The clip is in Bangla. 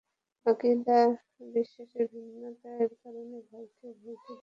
আকীদা-বিশ্বাসের ভিন্নতার কারণে ভাইকে ভাইয়ের দুশমনে পরিণত করেছিল।